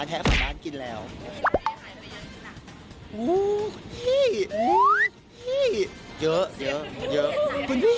ก็รอติดตามกันนะครับ